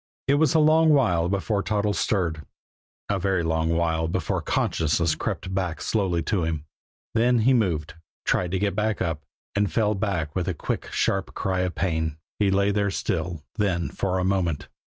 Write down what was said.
It was a long while before Toddles stirred; a very long while before consciousness crept slowly back to him. Then he moved, tried to get up and fell back with a quick, sharp cry of pain. He lay still, then, for a moment.